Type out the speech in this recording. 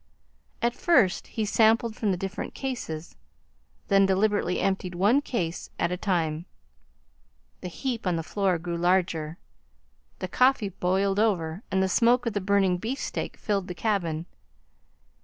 At first he sampled from the different cases, then deliberately emptied one case at a time. The heap on the floor grew larger. The coffee boiled over and the smoke of the burning beefsteak filled the cabin.